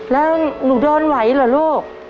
แล้วหนูเดินไหวเหรอลูก